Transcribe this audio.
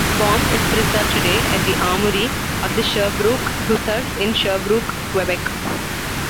"Bomb" is preserved today at the Armoury of the Sherbrooke Hussars in Sherbrooke, Quebec.